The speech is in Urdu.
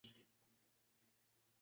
یہی معاملہ امت مسلمہ کا بھی تھا۔